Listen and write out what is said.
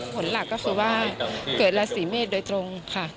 ผลหลักก็คือว่าเกิดราศีเมษโดยตรงค่ะ